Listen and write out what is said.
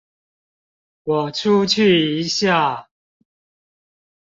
我出去一下